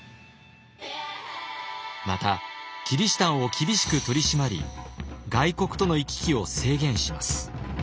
またキリシタンを厳しく取り締まり外国との行き来を制限します。